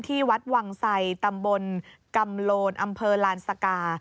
ที่วัดวังไสตำบลกำโลนอำเภอลานสกา